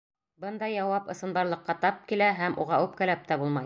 Бындай яуап ысынбарлыҡҡа тап килә һәм уға үпкәләп тә булмай.